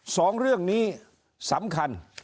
สองเรื่องนี้สำคัญ